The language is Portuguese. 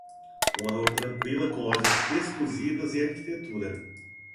Uma rua tranquila com lojas exclusivas e arquitetura.